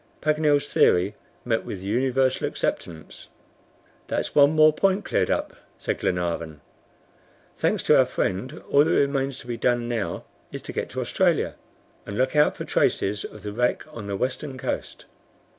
Paganel's theory met with universal acceptance. "That's one more point cleared up," said Glenarvan. "Thanks to our friend, all that remains to be done now is to get to Australia, and look out for traces of the wreck on the western coast."